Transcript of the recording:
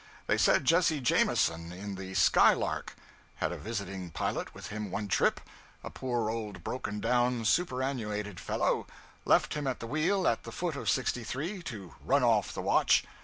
They said Jesse Jamieson, in the 'Skylark,' had a visiting pilot with him one trip a poor old broken down, superannuated fellow left him at the wheel, at the foot of 63, to run off the watch.